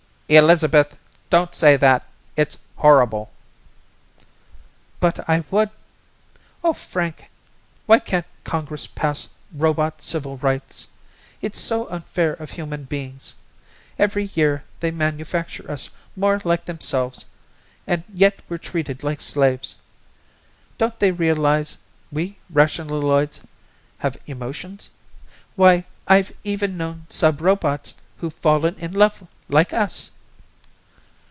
"Elizabeth! Don't say that, it's horrible." "But I would. Oh, Frank, why can't Congress pass Robot Civil Rights? It's so unfair of human beings. Every year they manufacture us more like themselves and yet we're treated like slaves. Don't they realize we rationaloids have emotions? Why, I've even known sub robots who've fallen in love like us."